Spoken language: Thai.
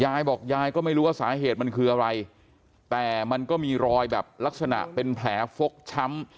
ยายบอกยายก็ไม่รู้ว่าสาเหตุมันคืออะไรแต่มันก็มีรอยแบบลักษณะเป็นแผลฟกช้ำ